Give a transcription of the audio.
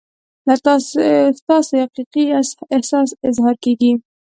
له تاسو ستاسو حقیقي احساس اظهار کیږي.